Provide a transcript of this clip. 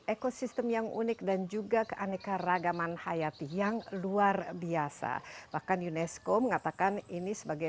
ekosistem yang unik dan juga keanekaragaman hayati yang luar biasa bahkan unesco mengatakan ini sebagai